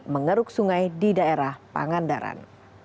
mengeruk sungai di daerah pangandaran